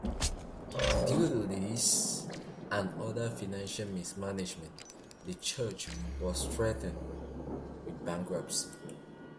Due to this and other financial mismanagement, the church was threatened with bankruptcy.